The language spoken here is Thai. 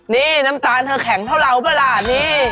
นี่น้ำตาลเธอแข็งเท่าเราป่ะล่ะนี่